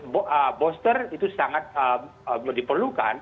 booster itu sangat diperlukan